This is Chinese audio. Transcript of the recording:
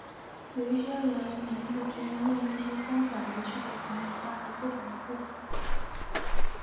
有些人名字中用一些方法来区别同一个家族的不同辈分。